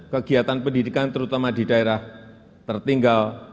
kegiatan pendidikan terutama di daerah tertinggal